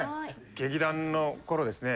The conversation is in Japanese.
劇団の頃ですね。